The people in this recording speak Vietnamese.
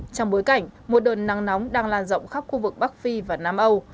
trong bối cảnh một đợt nắng nóng đang lan rộng khắp khu vực bắc phi và nam âu